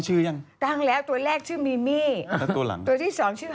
หมาหมาหมาหมาหมาหมาหมาหมาหมาหมาหมาหมา